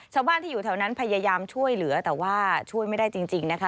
ชาวบ้านที่อยู่แถวนั้นพยายามช่วยเหลือแต่ว่าช่วยไม่ได้จริงนะคะ